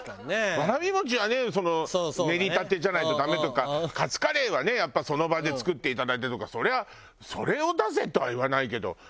わらび餅はねその練りたてじゃないとダメとかカツカレーはねやっぱその場で作っていただいてとかそれはそれを出せとは言わないけど。